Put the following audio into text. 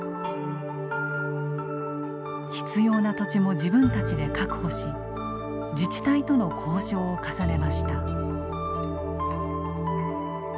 必要な土地も自分たちで確保し自治体との交渉を重ねました。